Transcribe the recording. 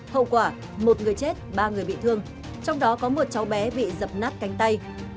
hậu quả một người chết ba người bị thương trong đó có một cháu bé bị dập nát cánh tay